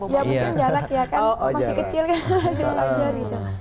ya mungkin jarak ya kan masih kecil kan masih belajar gitu